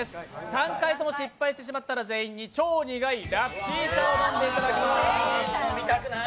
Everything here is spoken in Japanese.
３回とも失敗してしまったら全員に超苦いラッピー茶を飲んでいただきます